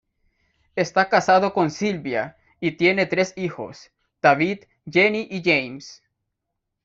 Está casado con Sylvia, y tiene tres hijos: David, Jenny y James.